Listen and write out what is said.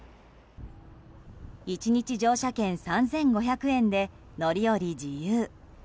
１日乗車券３５００円で乗り降り自由。